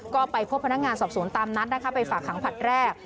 ก็ไปพบพนักงานสอบสวนตามนัดนะคะไปฝากขังผลัดแรก